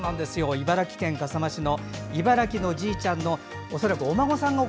茨城県笠間市の茨城のじいちゃんの恐らくお孫さん